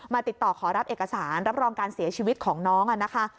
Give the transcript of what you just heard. ติดต่อขอรับเอกสารรับรองการเสียชีวิตของน้องนะคะ